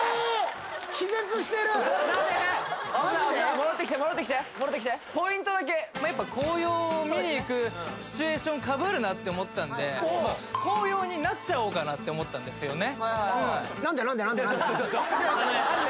戻ってきて戻ってきて紅葉を見に行くシチュエーション被るなって思ったんで紅葉になっちゃおうかなって思ったんですよね